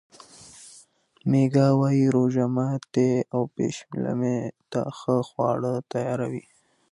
میکا وايي روژه ماتي او پیشلمي ته ښه خواړه تیاروي.